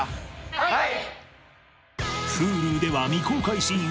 はい！